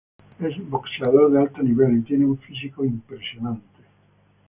Es boxeador de alto nivel y tiene un físico impresionante.